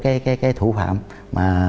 cái thủ phạm